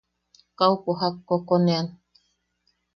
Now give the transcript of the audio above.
Kaupo jak kokoneʼan.